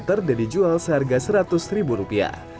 deddy jual seharga seratus rupiah